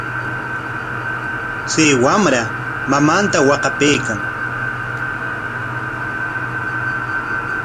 Chay wamra mamanta waqapaykan.